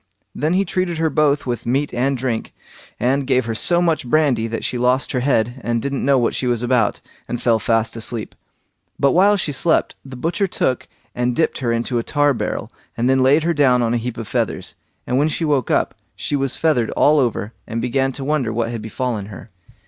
Then he treated her both with meat and drink, and gave her so much brandy that she lost her head, and didn't know what she was about, and fell fast asleep. But while she slept, the butcher took and dipped her into a tar barrel, and then laid her down on a heap of feathers; and when she woke up, she was feathered all over, and began to wonder what had befallen her.